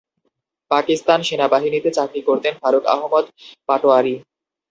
পাকিস্তান সেনাবাহিনীতে চাকরি করতেন ফারুক আহমদ পাটোয়ারী।